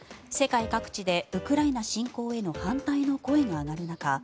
世界各地でウクライナ侵攻への反対の声が上がる中